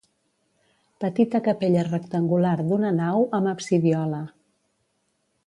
Petita capella rectangular d'una nau amb absidiola.